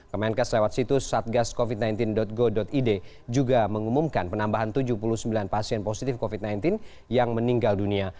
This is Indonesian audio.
kemenkes lewat situs satgascovid sembilan belas go id juga mengumumkan penambahan tujuh puluh sembilan pasien positif covid sembilan belas yang meninggal dunia